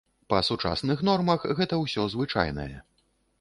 Па сучасных нормах гэта ўсё звычайнае.